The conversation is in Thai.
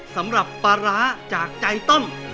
สำหรับปลาร้าจากใจต้ม